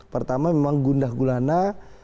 pertama memang gundah gulana